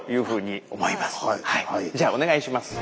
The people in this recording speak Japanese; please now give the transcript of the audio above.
じゃあお願いします。